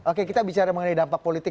oke kita bicara mengenai dampak politik